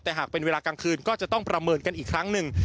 แต่หากเป็นเวลากลางคืนก็จะต้องประเมินกันอีกครั้งหนึ่ง